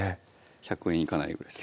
１００円いかないぐらいです